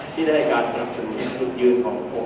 ที่ได้การสนับสนุนจุดยืนของผม